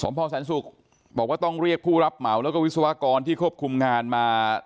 พอแสนศุกร์บอกว่าต้องเรียกผู้รับเหมาแล้วก็วิศวกรที่ควบคุมงานมา